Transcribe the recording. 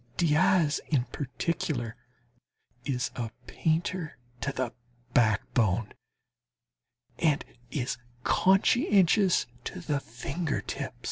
Diaz in particular is a painter to the backbone, and is conscientious to the finger tips.